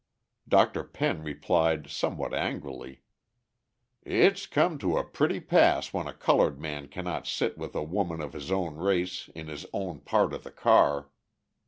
Dr. Penn replied somewhat angrily: "It's come to a pretty pass when a coloured man cannot sit with a woman of his own race in his own part of the car."